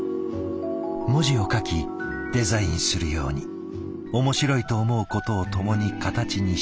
文字を描きデザインするように面白いと思うことを共に形にしていった。